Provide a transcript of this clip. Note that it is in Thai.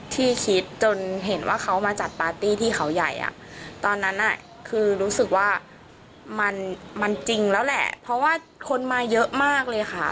ที่คิดจนเห็นว่าเขามาจัดปาร์ตี้ที่เขาใหญ่อ่ะตอนนั้นคือรู้สึกว่ามันจริงแล้วแหละเพราะว่าคนมาเยอะมากเลยค่ะ